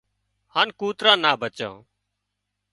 هانَ ڪوترو نا ڀچو